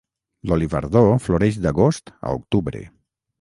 L'olivardó floreix d'agost a octubre.